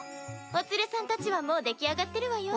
お連れさんたちはもう出来上がってるわよ。